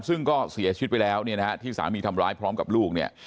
ซึ่งก็เสียชิดไปแล้วที่สามีทำร้ายพร้อมกับลูกเนี่ย